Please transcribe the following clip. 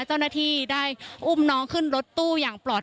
เจ้าหน้าที่ได้อุ้มน้องขึ้นรถตู้อย่างปลอด